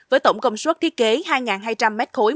với tổng công suất thiết kế hai hai trăm linh mét khối